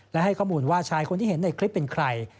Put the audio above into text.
และให้ข้อมูลว่าชายคนที่เห็นในคลิปเป็นใคร